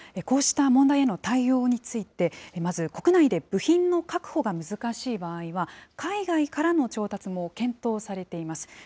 こうした問題への対応について、まず国内で部品の確保が難しい場合は、海外からの調達も検討されています。